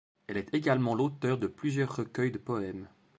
Elle est également l’auteure de plusieurs recueils de poèmes.